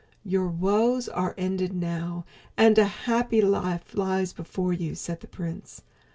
"Your woes are ended now and a happy life lies before you," said the prince.